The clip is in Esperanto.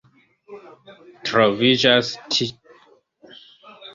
Troviĝas ĉi tie urba sporta komplekso por pluraj sportoj.